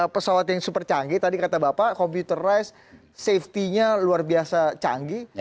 pesawat yang super canggih tadi kata bapak computerized safety nya luar biasa canggih